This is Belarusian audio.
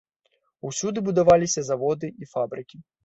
Усюды будаваліся заводы і фабрыкі.